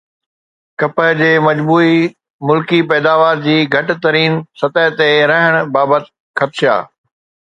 ڪپهه جي مجموعي ملڪي پيداوار جي گهٽ ترين سطح تي رهڻ بابت خدشا